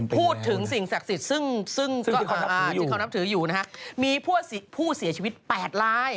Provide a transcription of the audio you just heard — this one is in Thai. พูดถึงสิ่งศักดิ์สิทธิ์ซึ่งที่เขานับถืออยู่นะฮะมีผู้เสียชีวิต๘ลาย